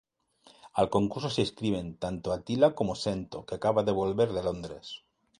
Al concurso se inscriben tanto Atila como Sento, que caba de volver de Londres.